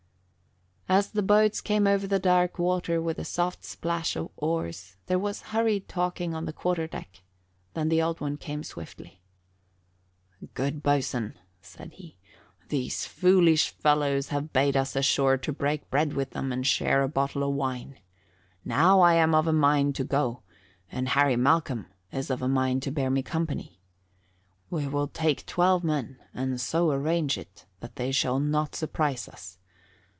As the boats came over the dark water, with the soft splash of oars, there was hurried talking on the quarter deck, then the Old One came swiftly. "Good boatswain," said he, "these foolish fellows have bade us ashore to break bread with them and share a bottle of wine. Now I am of a mind to go, and Harry Malcolm is of a mind to bear me company. We will take twelve men and so arrange it that they shall not surprise us.